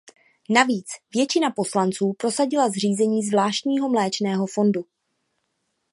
Navíc většina poslanců prosadila zřízení zvláštního mléčného fondu.